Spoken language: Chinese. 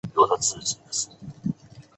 小学二年级时参加了舞蹈社。